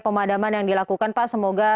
pemadaman yang dilakukan pak semoga